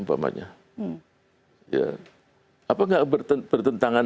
iya apa nggak bertentangan